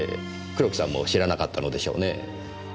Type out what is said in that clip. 黒木さんも知らなかったのでしょうねぇ。